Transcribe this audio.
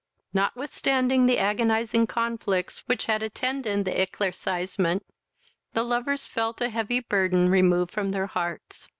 Notwithstanding the agonizing conflicts which had attended the eclaircissement, the lovers felt a heavy burthen removed from their hearts.